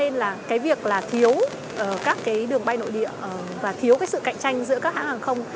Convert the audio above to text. nên là cái việc là thiếu các cái đường bay nội địa và thiếu cái sự cạnh tranh giữa các hãng hàng không